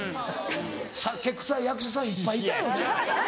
酒臭い役者さんいっぱいいたよね。